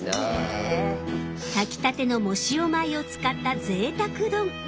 炊きたての藻塩米を使ったぜいたく丼。